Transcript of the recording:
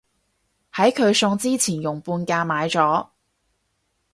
喺佢送之前用半價買咗